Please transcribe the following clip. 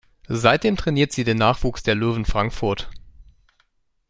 Seitdem trainiert sie den Nachwuchs der Löwen Frankfurt.